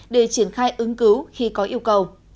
để triển khai ứng cứu khi có yêu cầu